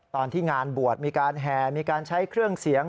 ตอนที่งานบวชมีการแห่มีการใช้เครื่องเสียง